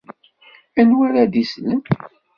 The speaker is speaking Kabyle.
Anwa ara d-islen?